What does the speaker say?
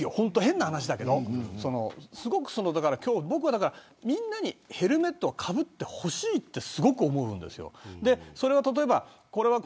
なので、僕はみんなにヘルメットはかぶってほしいとすごく思うんです。